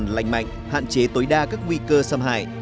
lành mạnh hạn chế tối đa các nguy cơ xâm hại